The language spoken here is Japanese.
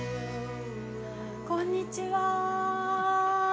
◆こんにちは。